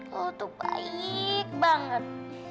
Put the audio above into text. kau tuh baik banget